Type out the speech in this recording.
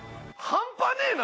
半端ねえな！